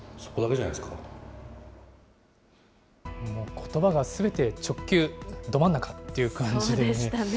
ことばがすべて直球、ど真ん中という感じですね。